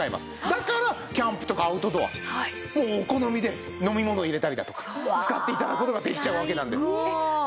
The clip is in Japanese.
だからキャンプとかアウトドアお好みで飲み物入れたりだとか使って頂く事ができちゃうわけなんです。